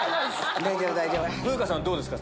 風花さんどうですか？